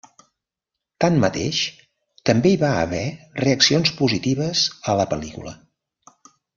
Tanmateix, també hi va haver reaccions positives a la pel·lícula.